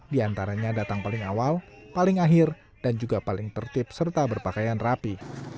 di antaranya datang paling awal paling akhir dan juga paling tertib serta berpakaian rapi